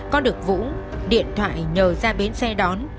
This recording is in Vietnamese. có được vũ điện thoại nhờ ra bến xe đón